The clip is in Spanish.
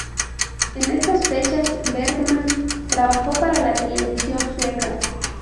En estas fechas, Bergman trabajó para la televisión sueca.